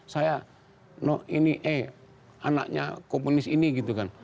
saya anaknya komunis ini gitu kan